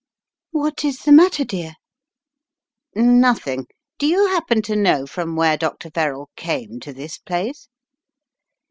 " What is the matter, dear?" "Nothing. Do you happen to know from where Dr. Verrall came to this place?"